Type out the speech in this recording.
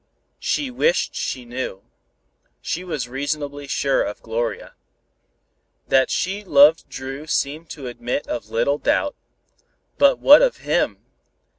She wished she knew. She was reasonably sure of Gloria. That she loved Dru seemed to admit of little doubt. But what of him?